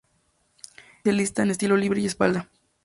Era especialista en estilo libre y espalda.